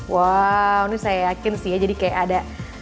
wow ini saya yakin sih ya jadi kayak ada